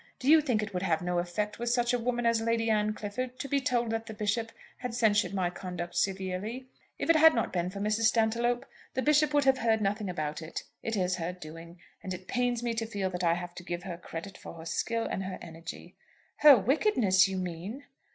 Do you think it would have no effect with such a woman as Lady Anne Clifford, to be told that the Bishop had censured my conduct severely? If it had not been for Mrs. Stantiloup, the Bishop would have heard nothing about it. It is her doing. And it pains me to feel that I have to give her credit for her skill and her energy." "Her wickedness, you mean."